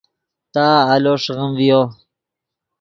تا آلو ݰیغیم ڤیو